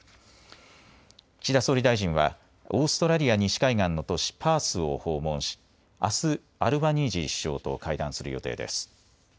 岸田総理大臣はオーストラリア西海岸の都市パースを訪問し、あすアルバニージー首相と会談する予定です。